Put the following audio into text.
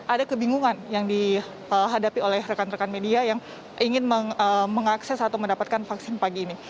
ada kebingungan yang dihadapi oleh rekan rekan media yang ingin mengakses atau mendapatkan vaksin pagi ini